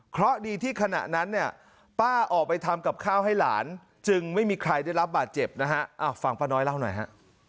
เพราะดีที่ขณะนั้นเนี่ยป้าออกไปทำกับข้าวให้หลานจึงไม่มีใครได้รับบาดเจ็บนะฮะฟังป้าน้อยเล่าหน่อยฮะ